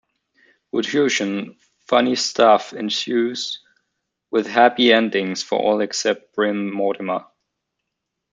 Wodehousian funny stuff ensues, with happy endings for all except Bream Mortimer.